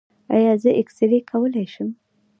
ایا زه اکسرې کولی شم؟